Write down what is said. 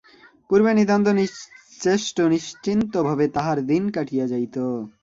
পূর্বে নিতান্ত নিশ্চেষ্ট নিশ্চিন্তভাবে তাহার দিন কাটিয়া যাইত।